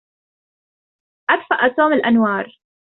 أطفئ توم الأنوار.